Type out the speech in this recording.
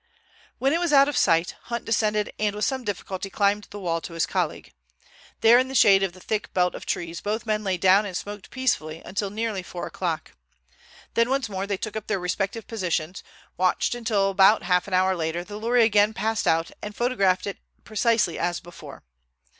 When it was out of sight, Hunt descended and with some difficulty climbed the wall to his colleague. There in the shade of the thick belt of trees both men lay down and smoked peacefully until nearly four o'clock. Then once more they took up their respective positions, watched until about half an hour later the lorry again passed out and photographed it precisely as before.